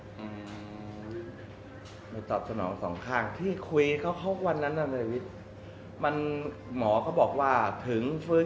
เลยตอบสนองสองข้างที่คุยเขาเขาวันนั้นน่ะในวิทย์มันหมอเขาบอกว่าถึงฟื้น